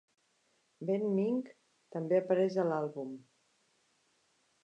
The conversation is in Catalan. Ben Mink també apareix a l'àlbum.